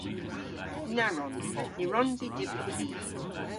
Na wrons. Ny wrons i dybri kig.